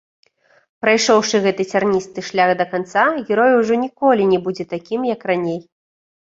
Прайшоўшы гэты цярністы шлях да канца, герой ужо ніколі не будзе такім, як раней.